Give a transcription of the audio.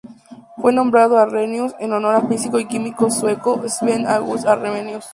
Fue nombrado Arrhenius en honor a físico y químico sueco Svante August Arrhenius.